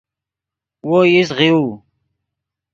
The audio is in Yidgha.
وو ایست غیؤو